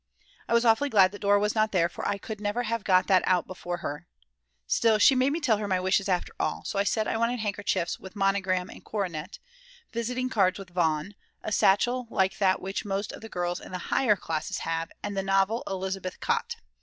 I was awfully glad that Dora was not there, for I could never have got that out before her. Still, she made me tell her my wishes after all, so I said I wanted handerkerchiefs with "monogram and coronet," visiting cards with von, a satchel like that which most of the girls in the higher classes have, and the novel Elizabeth Kott.